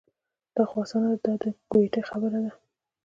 دا خو اسانه ده دا د ګویته خبره ده.